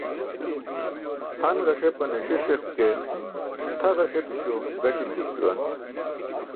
Han ġasepane siṣiq ke tʰa ġasepi̇śo gaṭi̇ manum juwan.